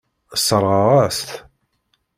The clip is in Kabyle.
Sseṛɣeɣ-as-t.